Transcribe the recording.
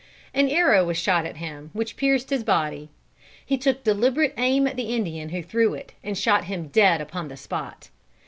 An arrow was shot at him, which pierced his body. He took deliberate aim at the Indian who threw it and shot him dead upon the spot.